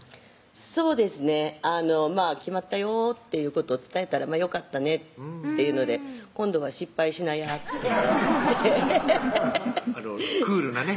そうですね「決まったよ」っていうことを伝えたら「よかったね」っていうので「今度は失敗しなや」ってクールなね